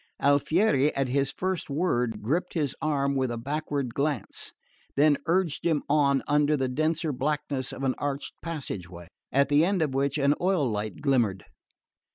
Alfieri, at his first word, gripped his arm with a backward glance; then urged him on under the denser blackness of an arched passage way, at the end of which an oil light glimmered.